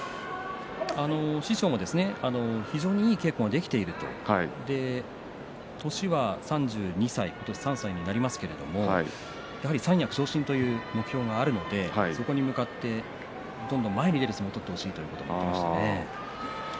師匠も非常にいい稽古ができていると年は３２歳今年３３歳になりますが三役昇進という目標があるのでそこに向かってどんどん前に出る相撲を取ってほしいと言っていましたね。